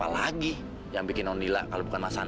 lu yang gua ambil dong on